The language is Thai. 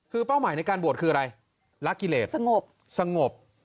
คือเป้าหมายในการบวชคืออะไรละกิเลสสงบสงบ